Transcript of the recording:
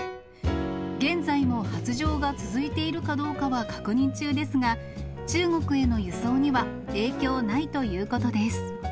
現在も発情が続いているかどうかは確認中ですが、中国への輸送には影響ないということです。